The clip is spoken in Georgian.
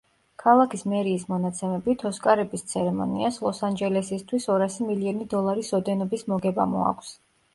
ქალაქის მერიის მონაცემებით, „ოსკარების“ ცერემონიას ლოს-ანჯელესისთვის ორასი მილიონი დოლარის ოდენობის მოგება მოაქვს.